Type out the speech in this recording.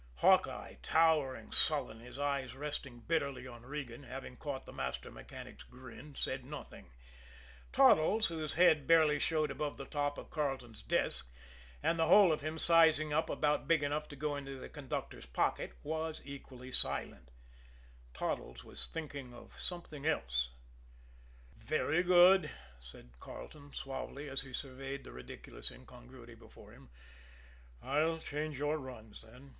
Hawkeye, towering, sullen, his eyes resting bitterly on Regan, having caught the master mechanic's grin, said nothing; Toddles, whose head barely showed over the top of Carleton's desk, and the whole of him sizing up about big enough to go into the conductor's pocket, was equally silent Toddles was thinking of something else. "Very good," said Carleton suavely, as he surveyed the ridiculous incongruity before him. "I'll change your runs, then.